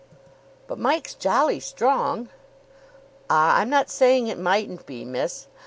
"But Mike's jolly strong." "Ah, I'm not saying it mightn't be, miss.